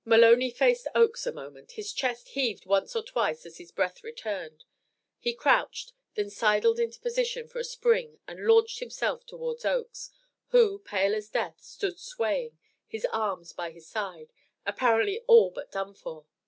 Maloney faced Oakes a moment; his chest heaved once or twice as his breath returned; he crouched, then sidled into position for a spring and launched himself toward Oakes, who, pale as death, stood swaying, his arms by his side, apparently all but done for.